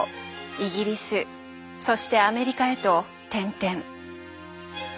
イギリスそしてアメリカへと転々。